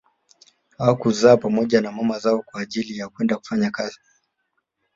Hawakuuzwa pamoja na mama zao kwa ajili ya kwenda kufanya kazi